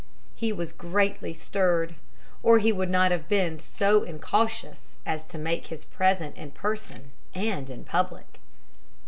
He was greatly stirred or he would not have been so incautious as to make his present in person and in public.